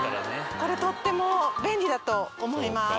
これとっても便利だと思います。